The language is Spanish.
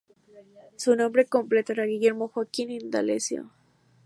Su nombre completo era Guillermo Joaquín Indalecio.